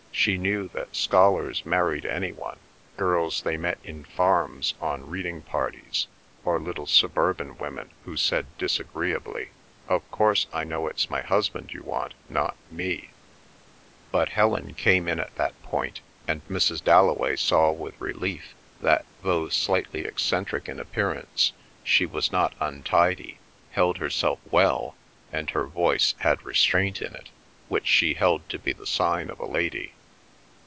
She knew that scholars married any one—girls they met in farms on reading parties; or little suburban women who said disagreeably, "Of course I know it's my husband you want; not me." But Helen came in at that point, and Mrs. Dalloway saw with relief that though slightly eccentric in appearance, she was not untidy, held herself well, and her voice had restraint in it, which she held to be the sign of a lady.